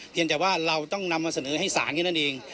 เพียงแต่ว่าเราต้องนำมาเสนอให้สารให้นั่นเอง